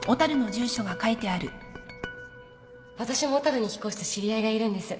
私も小樽に引っ越した知り合いがいるんです